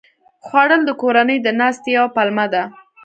خوړل د کورنۍ د ناستې یوه پلمه ده